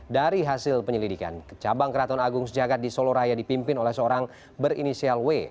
dari hasil penyelidikan cabang keraton agung sejagat di solo raya dipimpin oleh seorang berinisial w